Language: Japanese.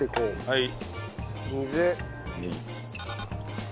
はい。